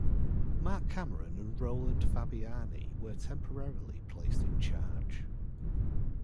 Mark Cameron and Roland Fabiani were temporarily placed in charge.